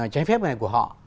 trái phép này của họ